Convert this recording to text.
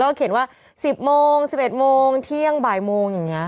เขียนว่า๑๐โมง๑๑โมงเที่ยงบ่ายโมงอย่างนี้